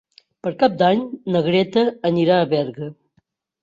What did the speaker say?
Per Cap d'Any na Greta anirà a Berga.